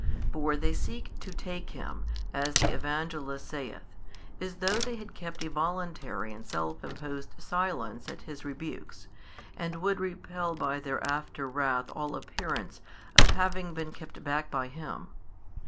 For they seek to take Him, as the Evangelist saith, as though they had kept a voluntary and self imposed silence at His rebukes, and would repel by their after wrath all appearance of having been kept back by Him.